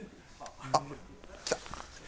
あっ来た！